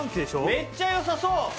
めっちゃよさそう！